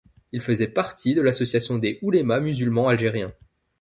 Il faisait partie de l'Association des oulémas musulmans algériens.